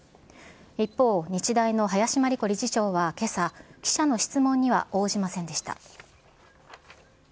一方、日大の林真理子理事長はけさ、記者の質問には応じませんでした。